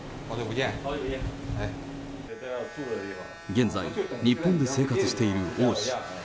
現在、日本で生活している王氏。